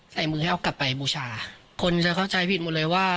ใส่มือให้เอากลับไปบูชาคนจะเข้าใจผิดหมดเลยว่า